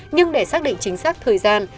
nhưng để xác định chính xác thời gian